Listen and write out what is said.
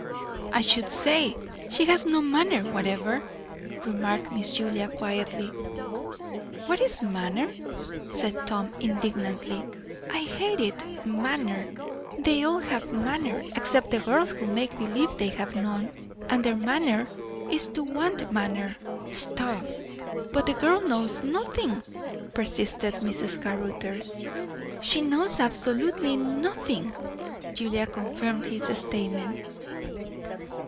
"I should say, she has no manner whatever," remarked Miss Julia quietly. "What is 'manner'?" said Tom indignantly. "I hate it. Manner! They all have 'manner' except the girls who make believe they have none; and their 'manner' is to want manner. Stuff!" "But the girl knows nothing," persisted Mrs. Caruthers. "She knows absolutely nothing," Julia confirmed this statement.